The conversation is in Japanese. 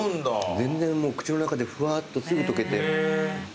全然もう口の中でふわっとすぐ溶けて。